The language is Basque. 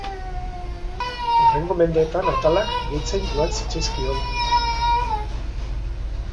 Hurrengo mendeetan atalak gehitzen joan zitzaizkion.